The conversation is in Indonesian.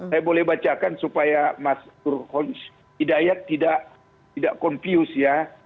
saya boleh bacakan supaya mas guru honch hidayat tidak confused ya